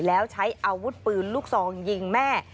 แล้วใช้อาวุธปืนลูกซองยิงแม่